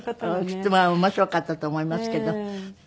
きっと面白かったと思いますけど。